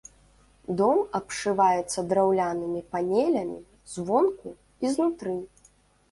Дом абшываецца драўлянымі панелямі звонку і знутры.